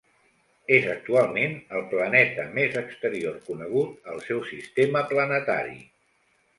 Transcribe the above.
És actualment el planeta més exterior conegut al seu sistema planetari.